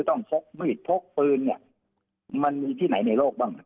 พกมีดพกปืนเนี่ยมันมีที่ไหนในโลกบ้างครับ